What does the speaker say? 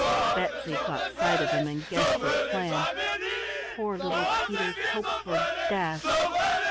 Betsy caught sight of him and guessed his plan. Poor little Peter's hopes were dashed.